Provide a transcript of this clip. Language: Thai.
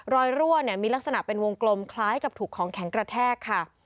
รั่วมีลักษณะเป็นวงกลมคล้ายกับถูกของแข็งกระแทกค่ะ